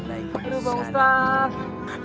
aduh bang ustaz